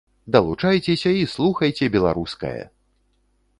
Далучайцеся і слухайце беларускае!